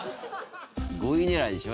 ５位狙いでしょ？